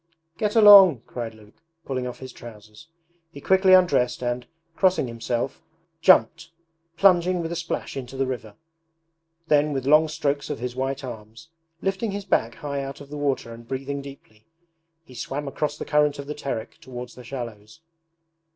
'Get along,' cried Luke, pulling off his trousers. He quickly undressed and, crossing himself, jumped, plunging with a splash into the river. Then with long strokes of his white arms, lifting his back high out of the water and breathing deeply, he swam across the current of the Terek towards the shallows.